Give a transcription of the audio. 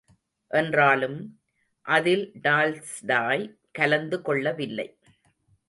என்றாலும், அதில் டால்ஸ்டாய் கலந்து கொள்ளவில்லை.